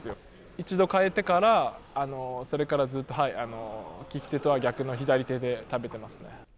一度変えてから、それからずっと利き手とは逆の左手で食べてますね。